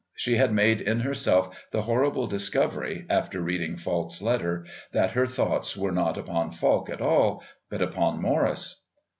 She had made in herself the horrible discovery, after reading Falk's letter, that her thoughts were not upon Falk at all, but upon Morris.